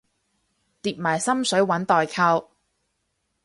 疊埋心水搵代購